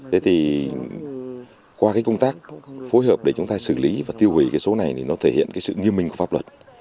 thế thì qua công tác phối hợp để chúng ta xử lý và tiêu hủy số này nó thể hiện sự nghiêm minh của pháp luật